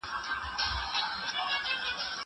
زه پرون انځور وليد!